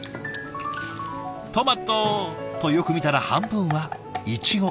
トマトとよく見たら半分はイチゴ。